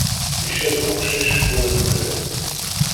Icab weqcic ur yuklal.